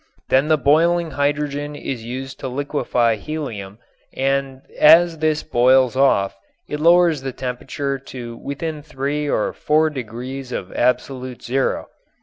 Then the boiling hydrogen is used to liquefy helium, and as this boils off it lowers the temperature to within three or four degrees of absolute zero.